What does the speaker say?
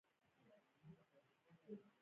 د روهیال او پتیال په منډو ترړو بریالی شوم.